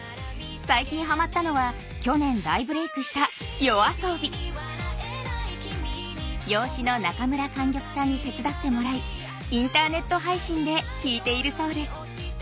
最近はまったのは去年大ブレークした養子の中村莟玉さんに手伝ってもらいインターネット配信で聴いているそうです。